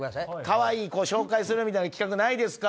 かわいい子紹介するみたいな企画ないですか？